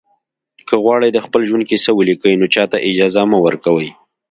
که غواړئ د خپل ژوند کیسه ولیکئ نو چاته اجازه مه ورکوئ.